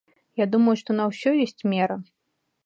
Я думаю, што на ўсё ёсць мера.